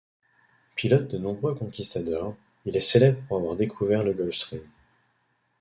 Pilote de nombreux conquistadors, il est célèbre pour avoir découvert le Gulf Stream.